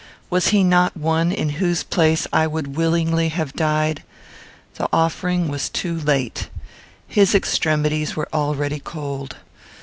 Was he not one in whose place I would willingly have died? The offering was too late. His extremities were already cold.